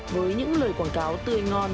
với những lời quảng cáo tươi ngon